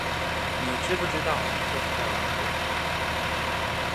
你知不知道你这是在玩火